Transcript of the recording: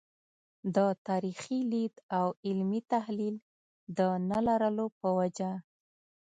د تاریخي لید او علمي تحلیل د نه لرلو په وجه.